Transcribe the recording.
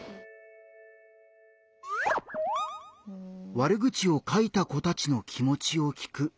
「悪口を書いた子たちの気もちを聞く」。